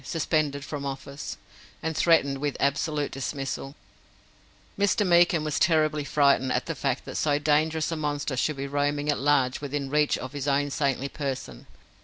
suspended from office, and threatened with absolute dismissal. Mr. Meekin was terribly frightened at the fact that so dangerous a monster should be roaming at large within reach of his own saintly person.